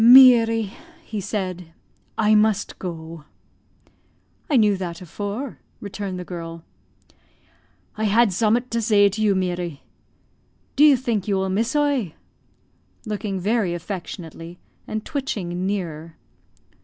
"Meary," he said, "I must go." "I knew that afore," returned the girl. "I had zummat to zay to you, Meary. Do you think you will miss oie?" (looking very affectionately, and twitching nearer.)